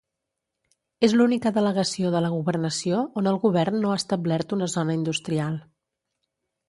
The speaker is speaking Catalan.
És l'única delegació de la governació on el govern no ha establert una zona industrial.